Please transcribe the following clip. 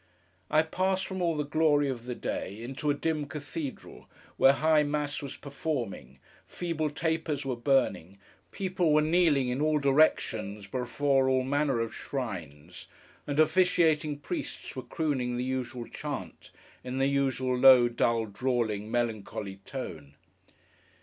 I passed from all the glory of the day, into a dim cathedral, where High Mass was performing, feeble tapers were burning, people were kneeling in all directions before all manner of shrines, and officiating priests were crooning the usual chant, in the usual, low, dull, drawling, melancholy tone.